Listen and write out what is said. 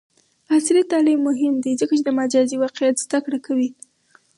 عصري تعلیم مهم دی ځکه چې د مجازی واقعیت زدکړه کوي.